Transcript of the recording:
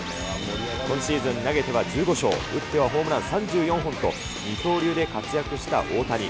今シーズン、投げては１５勝、打ってはホームラン３４本と、二刀流で活躍した大谷。